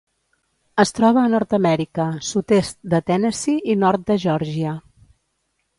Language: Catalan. Es troba a Nord-amèrica: sud-est de Tennessee i nord de Geòrgia.